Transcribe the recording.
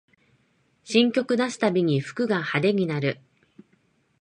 新曲出すたびに服が派手になる